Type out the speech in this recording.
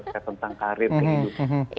saya tentang karir kehidupan